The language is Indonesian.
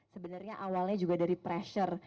sebenarnya awalnya juga dari pressure